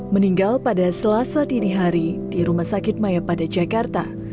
meninggal pada selasa dini hari di rumah sakit maya pada jakarta